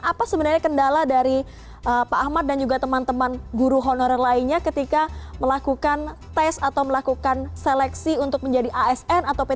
apa sebenarnya kendala dari pak ahmad dan juga teman teman guru honorer lainnya ketika melakukan tes atau melakukan seleksi untuk menjadi asn atau p tiga